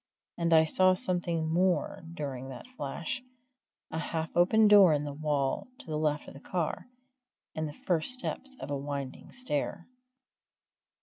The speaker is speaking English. And I saw something more during that flash a half open door in the wall to the left of the car, and the first steps of a winding stair.